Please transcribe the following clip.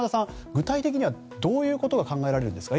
具体的にはどういうことが考えられるんですか？